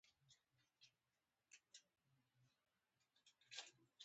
ما ورته وویل: فکر کوم، همداسې به وي، چې ټوله به وي.